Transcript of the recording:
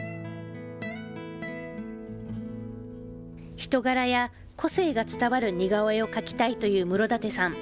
人柄や個性が伝わる似顔絵を描きたいという室舘さん。